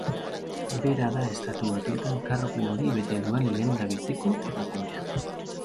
Bera da Estatu Batuetan kargu hori bete duen lehenbiziko emakumea.